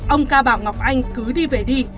ông ca bảo ngọc anh cứ đi về đi